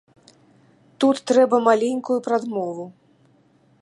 Тут трэба маленькую прадмову.